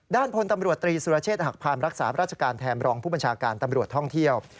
พลตำรวจตรีสุรเชษฐหักพานรักษาราชการแทนรองผู้บัญชาการตำรวจท่องเที่ยว